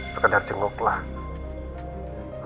sekedar cenguk lah